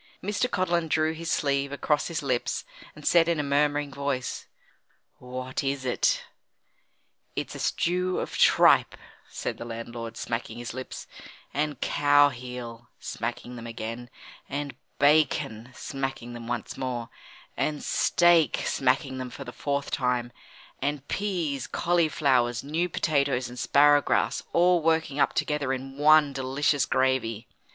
Mr. Codlin drew his sleeve across his lips, and said in a murmuring voice: "What is it?" "It's a stew of tripe," said the landlord, smacking his lips, "and cow heel," smacking them again, "and bacon," smacking them once more, "and steak," smacking them for the fourth time, "and peas, cauliflowers, new potatoes, and sparrow grass, all working up together in one delicious gravy."